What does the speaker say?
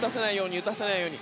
打たせないように。